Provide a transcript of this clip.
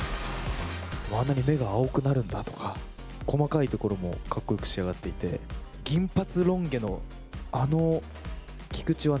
あんなに目が青くなるんだとか、細かいところも、かっこよく仕上がっていて、銀髪ロン毛のあの菊池は